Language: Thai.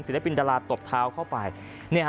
ปินดาราตบเท้าเข้าไป